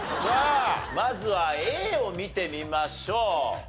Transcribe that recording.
さあまずはＡを見てみましょう。